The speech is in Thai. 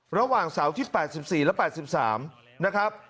ระหว่างเสาร์ที่๘๔และ๘๓นะครับ